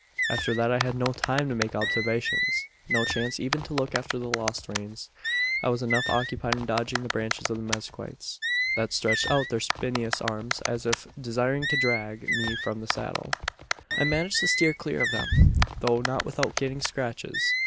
"After that I had no time to make observations no chance even to look after the lost reins. I was enough occupied in dodging the branches of the mezquites, that stretched out their spinous arms as if desiring to drag me from the saddle. "I managed to steer clear of them, though not without getting scratches.